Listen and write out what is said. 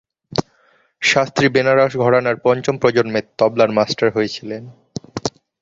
শাস্ত্রী বেনারস ঘরানার পঞ্চম প্রজন্মের তবলার মাস্টার হয়েছিলেন।